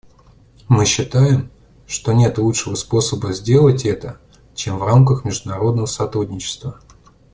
Мы считаем, что нет лучшего способа сделать это, чем в рамках международного сотрудничества.